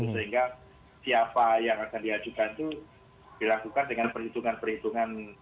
sehingga siapa yang akan diajukan itu dilakukan dengan perhitungan perhitungan